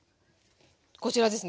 こちらですね。